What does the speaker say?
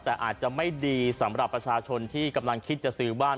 แต่อาจจะไม่ดีสำหรับประชาชนที่กำลังคิดจะซื้อบ้าน